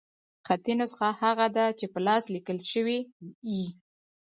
خطي نسخه هغه ده، چي په لاس ليکل سوې يي.